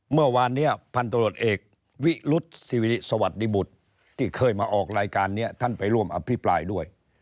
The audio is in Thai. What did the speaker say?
เมื่อวานนี้พันตรวจเอกวิรุษศิริสวัสดิบุตรที่เคยมาออกรายการนี้ท่านไปร่วมอภิปรายด้วย